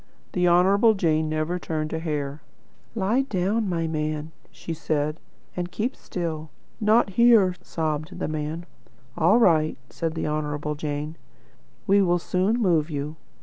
The Honourable Jane never turned a hair. 'Lie down, my man,' she said, 'and keep still.' 'Not here,' sobbed the man. 'All right,' said the Honourable Jane; 'we will soon move you.'